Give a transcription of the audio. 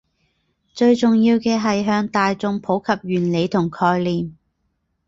最重要嘅係向大衆普及原理同概念